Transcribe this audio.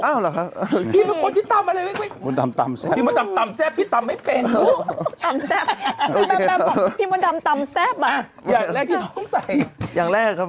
อ้าวเหรอครับ